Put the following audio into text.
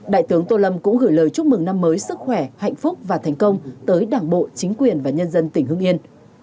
đại tướng tô lâm cũng gửi lời chúc mừng năm mới sức khỏe hạnh phúc và thành công tới đảng bộ chính quyền và nhân dân tỉnh hưng yên